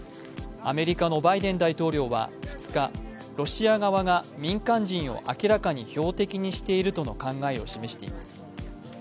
アメリカのバイデン大統領は２日、ロシア側が民間人を明らかに標的にしているとの考えを示しています。